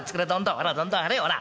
ほらどんどん張れほら。